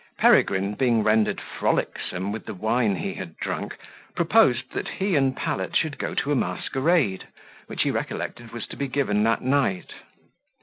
Peregrine, being rendered frolicsome with the wine he had drunk, proposed that he and Pallet should go to a masquerade, which he recollected was to be given that night.